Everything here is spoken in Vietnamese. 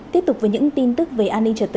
tiếp tục với những tin tức về an ninh trật tự